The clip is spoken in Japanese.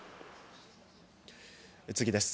次です。